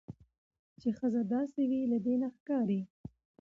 چې ښځه داسې وي. له دې نه ښکاري